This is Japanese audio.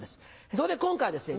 そこで今回はですね